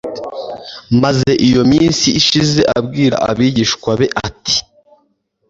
maze iyo minsi ishize abwira abigishwa be ati